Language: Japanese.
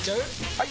・はい！